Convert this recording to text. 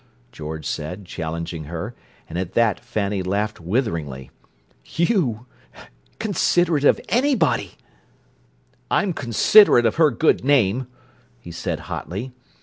George said, challenging her, and at that Fanny laughed witheringly. "You! Considerate of anybody!" "I'm considerate of her good name!" he said hotly.